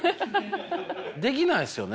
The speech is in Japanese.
できないですよね。